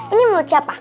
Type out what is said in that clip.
ini menurut siapa